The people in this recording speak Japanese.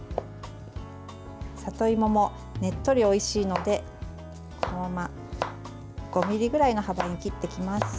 里芋も、ねっとりおいしいのでこのまま５ｍｍぐらいの幅に切っていきます。